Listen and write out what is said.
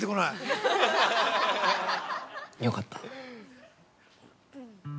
よかった。